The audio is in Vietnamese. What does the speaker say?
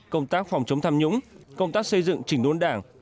công tác phòng chống tham nhũng công tác xây dựng chỉnh đốn đảng